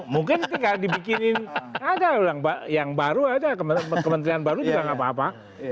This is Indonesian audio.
mungkin tinggal dibikinin ada yang baru ada kementerian baru juga nggak apa apa